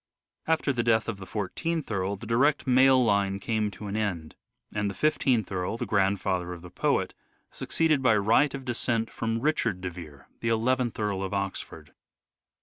After the death of the I4th Earl the direct male line came to an end, and the i5th Earl, the grandfather of the poet, succeeded by right of descent from Richard de Vere, the nth Earl of Oxford.